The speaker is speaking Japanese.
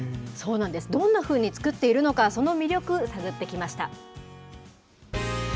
どんなふうに作っているのか、その魅力、探ってきました。